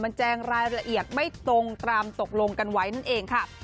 มันแจงรายละเอียดไม่ตรงตามตกลงกันไว้นั่นเองค่ะ